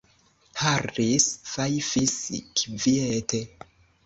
Harris fajfis kviete.